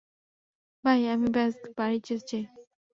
ভাই, আমি ব্যস বাড়ি যেতে চাই।